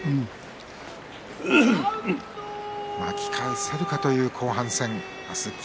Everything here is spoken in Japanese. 巻き返せるかという後半戦明日、霧